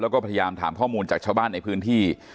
แล้วก็พยายามถามข้อมูลจากชาวบ้านในพื้นที่